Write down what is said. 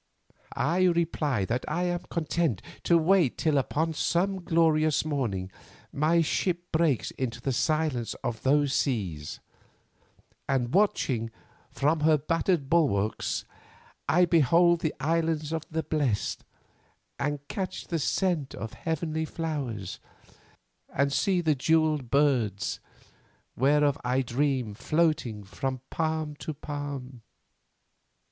"I reply that I am content to wait till upon some glorious morning my ship breaks into the silence of those seas, and, watching from her battered bulwarks, I behold the islands of the Blest and catch the scent of heavenly flowers, and see the jewelled birds, whereof I dream floating from palm to palm.